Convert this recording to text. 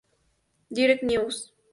Direct News.